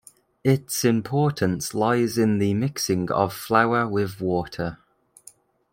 Its importance lies in the mixing of flour with water.